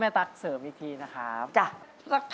และคิวต่อไปนะครับ